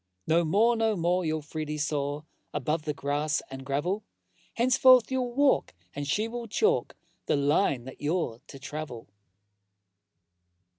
No more, no more you'll freely soar Above the grass and gravel: Henceforth you'll walk and she will chalk The line that you're to travel!